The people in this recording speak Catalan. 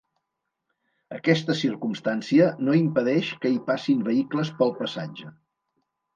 Aquesta circumstància no impedeix que hi passin vehicles pel passatge.